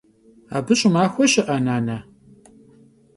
Abı ş'ımaxue şı'ekhe, nane?